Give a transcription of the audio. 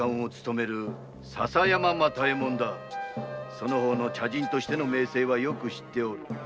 その方の茶人としての名声はよく知っておる。